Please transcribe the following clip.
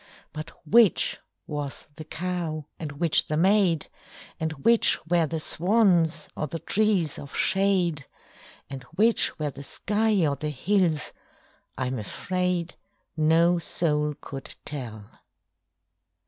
But which was the cow and which the maid, And which were the swans or the trees of shade, And which were the sky or the hills, I'm afraid, No soul could tell.